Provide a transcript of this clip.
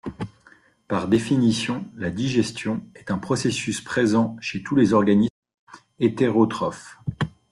Par définition, la digestion est un processus présent chez tous les organismes hétérotrophes.